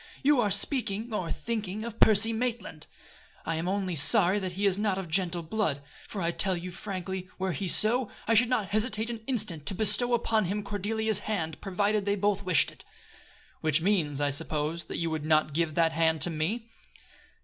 You are speaking, or thinking, of Percy Maitland. I am only sorry that he is not of gentle blood; for I tell you frankly, were he so, I should not hesitate an instant to bestow upon him Cordelia's hand, provided they both wished it." "Which means, I suppose, that you would not give that hand to me?"